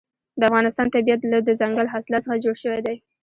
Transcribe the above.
د افغانستان طبیعت له دځنګل حاصلات څخه جوړ شوی دی.